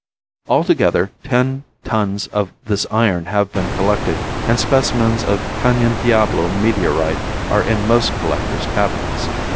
Altogether ten tons of this iron have been collected, and specimens of Canyon Diablo Meteorite are in most collectors' cabinets.